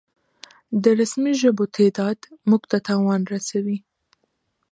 د رسمي ژبو تعداد مونږ ته تاوان رسوي